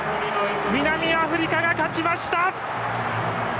南アフリカが勝ちました！